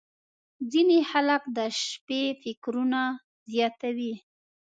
• ځینې خلک د شپې فکرونه زیاتوي.